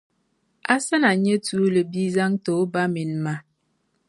Asana n-nyɛ tuuli bia zaŋ n-ti o ba mini ma.